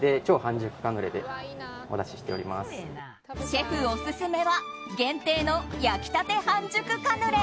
シェフオススメは限定の焼きたて半熟カヌレ。